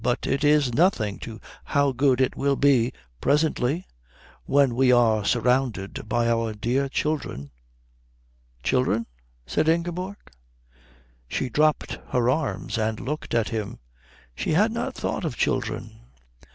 "But it is nothing to how good it will be presently, when we are surrounded by our dear children." "Children?" said Ingeborg. She dropped her arms and looked at him. She had not thought of children.